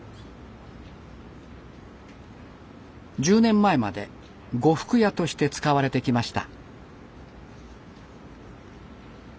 １０年前まで呉服屋として使われてきました。